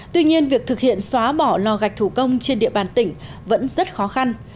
tuy nhiên việc thực hiện xóa bỏ lò gạch thủ công trên địa bàn tỉnh vẫn rất khó khăn